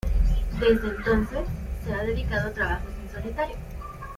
Desde entonces, se ha dedicado a trabajos en solitario.